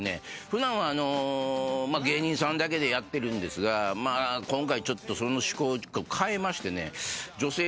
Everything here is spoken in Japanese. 普段は芸人さんだけでやってるんですが今回その趣向を変えましてね。